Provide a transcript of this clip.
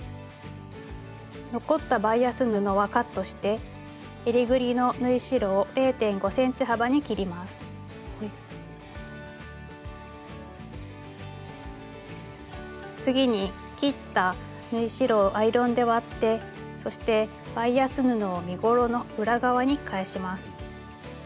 残ったバイアス布はカットしてえりぐりの次に切った縫い代をアイロンで割ってそしてバイアス布を身ごろの裏側に返します。